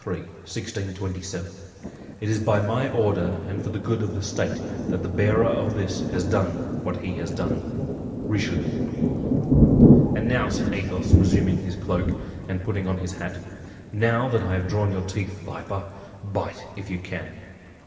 3, 1627 "It is by my order and for the good of the state that the bearer of this has done what he has done. "RICHELIEU" "And now," said Athos, resuming his cloak and putting on his hat, "now that I have drawn your teeth, viper, bite if you can."